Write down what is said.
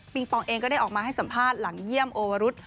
ปองเองก็ได้ออกมาให้สัมภาษณ์หลังเยี่ยมโอวรุษ